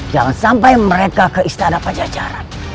jangan sampai mereka ke istana pajajaran